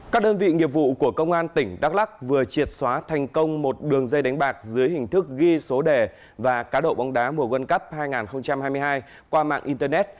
các đơn vị nghiệp vụ của công an tỉnh đắk lắc vừa triệt xóa thành công một đường dây đánh bạc dưới hình thức ghi số đề và cá độ bóng đá mùa world cup hai nghìn hai mươi hai qua mạng internet